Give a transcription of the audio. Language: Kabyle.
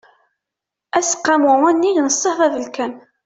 aseqqamu unnig n ṣṣehd abelkam